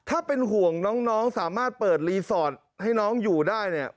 ถ้าเป็นห่วงน้องสามารถเปิดรีสอร์ทให้น้องอยู่ได้เนี่ย